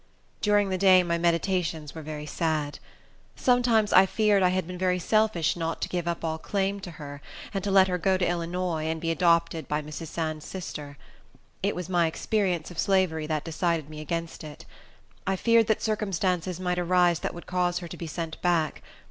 During the day my meditations were very sad. Sometimes I feared I had been very selfish not to give up all claim to her, and let her go to Illinois, to be adopted by Mrs. Sands's sister. It was my experience of slavery that decided me against it. I feared that circumstances might arise that would cause her to be sent back.